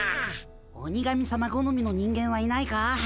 鬼神さまごのみの人間はいないか？